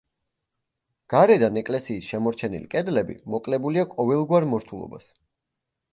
გარედან ეკლესიის შემორჩენილი კედლები მოკლებულია ყოველგვარ მორთულობას.